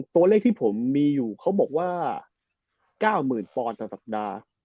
ตัวเลขที่ผมมีอยู่เขาบอกว่า๙๐๐๐ปอนด์ต่อสัปดาห์